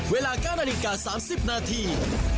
เวลา๙นาฬิกา๓๐นาที